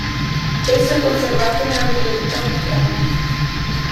Esso è conservato nella Biblioteca Vaticana.